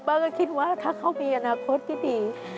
ป้าก็คิดว่าถ้าเขามีอนาคตก็ดี